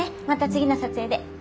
また次の撮影で。